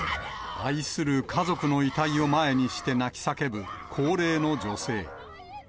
愛する家族の遺体を前にして泣き叫ぶ高齢の女性。